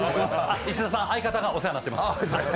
石田さん、相方がお世話になってます。